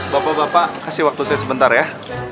bapak bapak kasih waktu saya sebentar ya